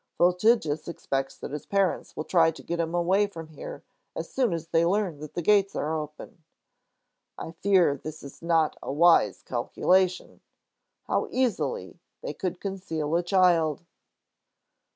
Voltigius expects that his parents will try to get him away from here as soon as they learn that the gates are open. I fear this is not a wise calculation. How easily they could conceal a child!"